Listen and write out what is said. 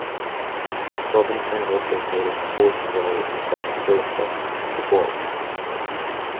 Robinson also played a supporting role in the drama thriller film "The Boy".